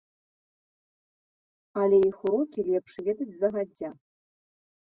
Але іх урокі лепш ведаць загадзя.